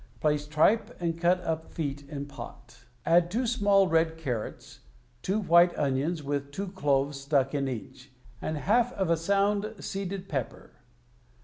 Place tripe and cut up feet in pot. THE STAG COOK BOOK Add two small red carrots, two white onions with two cloves stuck in each, and half of a sound, seeded pepper.